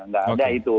nggak ada itu